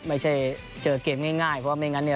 ไม่ใช่เจอเกมง่ายเพราะว่าไม่งั้นเนี่ย